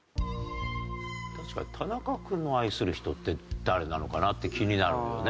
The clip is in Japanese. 確かに田中君の愛する人って誰なのかなって気になるよね。